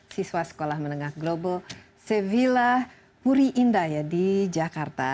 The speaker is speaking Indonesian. siswa sekolah menengah global sevilla muriinda ya di jakarta